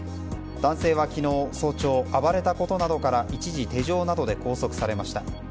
男性は昨日早朝暴れたことなどから一時、手錠などで拘束されました。